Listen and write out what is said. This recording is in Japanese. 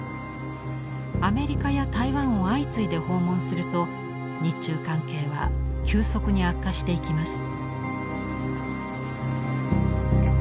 アメリカや台湾を相次いで訪問すると日中関係は急速に悪化していきます。